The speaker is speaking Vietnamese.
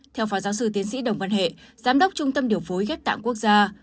theo phó giáo sư tiến sĩ đồng văn hệ giám đốc trung tâm điều phối ghép tạng quốc gia